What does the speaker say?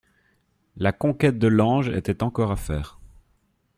La conquête de l'ange était encore à faire.